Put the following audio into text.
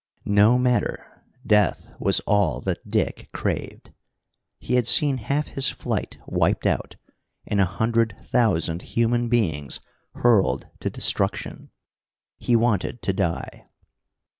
No matter. Death was all that Dick craved. He had seen half his flight wiped out, and a hundred thousand human beings hurled to destruction. He wanted to die.